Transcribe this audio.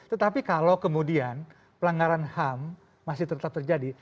tetapi kalau kemudian pelanggaran ham masih tetap terjadi